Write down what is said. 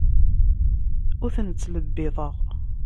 Ur ten-ttlebbiḍeɣ.